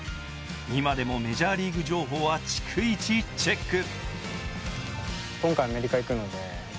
今でもメジャーリーグ情報は逐一チェック。